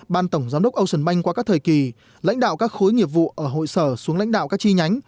ban tổng giám đốc ocean bank qua các thời kỳ lãnh đạo các khối nghiệp vụ ở hội sở xuống lãnh đạo các chi nhánh